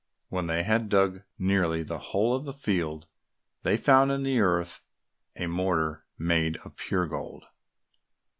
When they had dug nearly the whole of the field, they found in the earth a mortar made of pure gold.